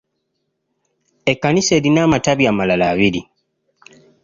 Ekkanisa erina amatabi amalala abiri.